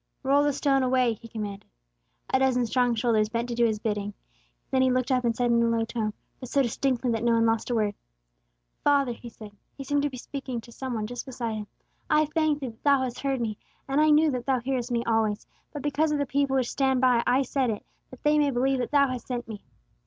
"Roll the stone away!" He commanded; a dozen strong shoulders bent to do His bidding. Then He looked up and spoke in a low tone, but so distinctly that no one lost a word. "Father," He said, He seemed to be speaking to some one just beside Him, "I thank Thee that Thou hast heard me, and I knew that Thou hearest me always: but because of the people which stand by I said it, that they may believe that Thou hast sent me."